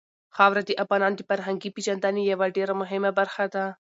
خاوره د افغانانو د فرهنګي پیژندنې یوه ډېره مهمه برخه ده.